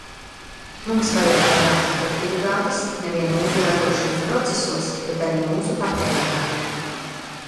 Mums vajag vairāk efektivitātes ne vien mūsu ražošanas procesos, bet arī mūsu patēriņā.